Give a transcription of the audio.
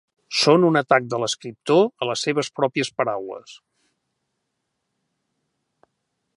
Són un atac de l'escriptor a les seves pròpies paraules.